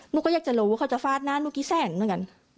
หนูก็อยากจะรู้ว่าเขาจะฟาดหน้าหนูกี่แสนเหมือนกัน